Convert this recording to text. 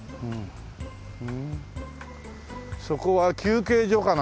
そこは休憩所かな？